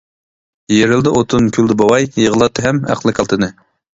يېرىلدى ئوتۇن كۈلدى بوۋاي، يىغلاتتى ھەم ئەقلى كالتىنى.